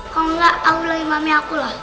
kalau engga aku bilangin mami aku loh